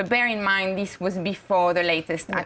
tapi ingat ini sebelum serangan terbaru